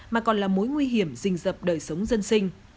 mà còn là mối nguy hiểm rình rập đời sống dân sinh